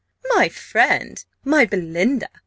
"My friend! my Belinda!"